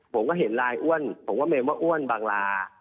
ผมก็เห็นไลน์อ้วนผมก็เมมว่าอ้วนบางลา